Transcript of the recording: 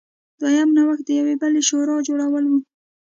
دویم نوښت د یوې بلې شورا جوړول و.